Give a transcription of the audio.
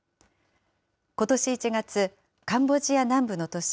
ことし１月、カンボジア南部の都市